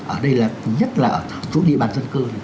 ở đây là nhất là ở chỗ địa bàn dân cư